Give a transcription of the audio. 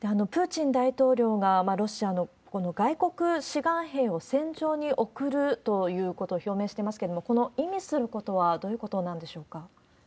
プーチン大統領がロシアのこの外国志願兵を戦場に送るということを表明してますけれども、この意味することはどういうことなんでしょうか？